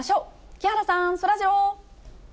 木原さん、そらジロー。